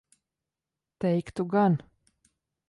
Teiktu gan.